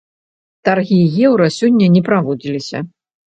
Таргі еўра сёння не праводзіліся.